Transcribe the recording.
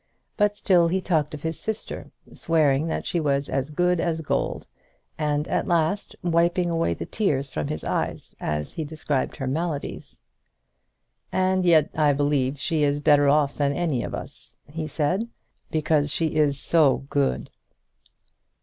But still he talked of his sister, swearing that she was as good as gold, and at last wiping away the tears from his eyes as he described her maladies. "And yet I believe she is better off than any of us," he said, "because she is so good."